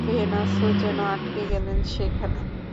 ভেনাসও যেন আটকে গেলেন সেখানে।